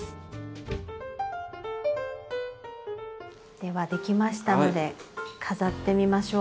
では出来ましたので飾ってみましょう。